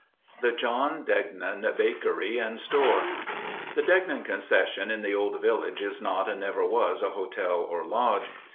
The John Degnan Bakery and Store The Degnan concession in the "Old Village" is not and never was a hotel or lodge.